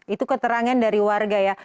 itu keterangan dari warga ya